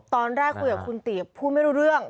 ตอนแรกคุยกับคุณตีบพูดไม่รู้เรื่อง